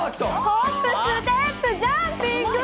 ホップステップジャンピング。